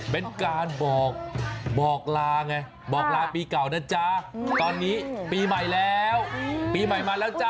เป็นการบอกบอกลาไงบอกลาปีเก่านะจ๊ะตอนนี้ปีใหม่แล้วปีใหม่มาแล้วจ๊ะ